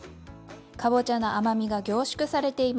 かぼちゃの甘みが凝縮されています。